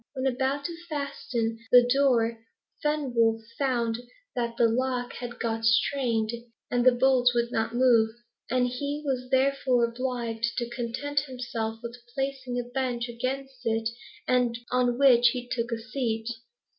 When about to fasten the door, Fenwolf found that the lock had got strained, and the bolts would not move, and he was therefore obliged to content himself with placing a bench against it, on which he took a seat.